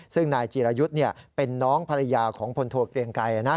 ซึ่งนายจีรยุทธ์เป็นน้องภรรยาของพลโทเกลียงไกร